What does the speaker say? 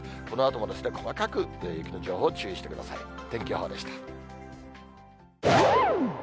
このあとも細かく雪の情報、注意してください。